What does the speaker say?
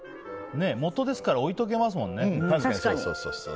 素ですから置いておけますもんね。